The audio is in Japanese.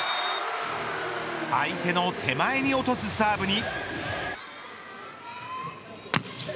相手の手前に落とすサーブに。